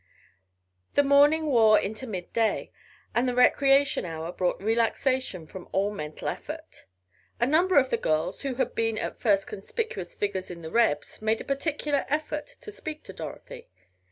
The morning wore into mid day, then the recreation hour brought relaxation from all mental effort. A number of the girls who had been at first conspicuous figures in the Rebs made a particular effort to speak to Dorothy.